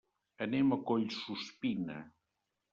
Anem a Collsuspina.